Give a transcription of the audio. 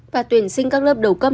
và tuyển sinh các lớp đầu cấp